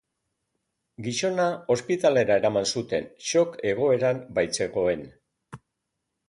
Gizona ospitalera eraman zuten, shock egoeran baitzegoen.